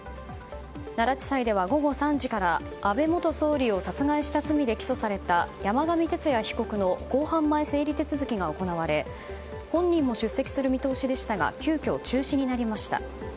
奈良地裁では午後３時から安倍元総理を殺害した罪で起訴された山上徹也被告の公判前整理手続きが行われ本人も出席する見通しでしたが急きょ中止になりました。